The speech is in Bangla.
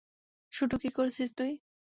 শুটু, কী করছিস তুই?